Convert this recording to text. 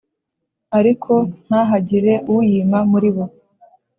ariko ntahagire uyima muri bo,